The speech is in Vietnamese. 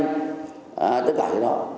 tất cả cái đó